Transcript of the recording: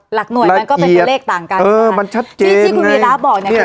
หลักหน่วยมันก็เป็นตัวเลขต่างกันเออมันชัดเจนที่ที่คุณวีระบอกเนี่ย